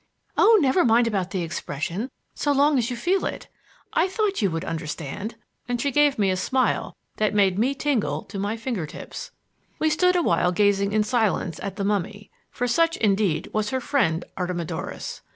"Oh, never mind about the expression, so long as you feel it. I thought you would understand," and she gave me a smile that made me tingle to my fingertips. We stood awhile gazing in silence at the mummy for such, indeed, was her friend Artemidorus.